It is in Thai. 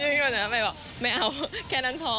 หมายความว่าไม่เอาแค่นั้นพอ